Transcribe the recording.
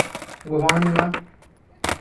ঘুমাওনি, মা?